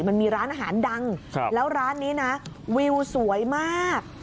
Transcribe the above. มันมีร้านอาหารดังแล้วร้านนี้นะวิวสวยมาก